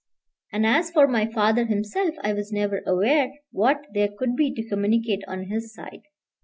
And as for my father himself, I was never aware what there could be to communicate on his side.